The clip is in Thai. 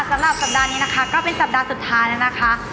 สำหรับสัปดาห์นี้นะคะก็เป็นสัปดาห์สุดท้ายแล้วนะคะ